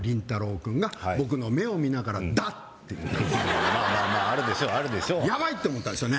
君が僕の目を見ながら「だ」って言ったんですまあまあまああるでしょうヤバい！って思ったんでしょうね